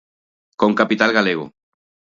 ¡Con capital galego!